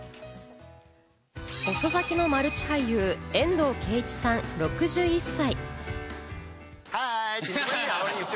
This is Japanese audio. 遅咲きのマルチ俳優・遠藤憲一さん、６１歳。